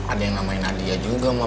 ada yang namanya nadia juga mah